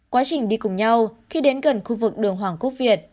quá trình đi cùng nhau khi đến gần khu vực đường hoàng quốc việt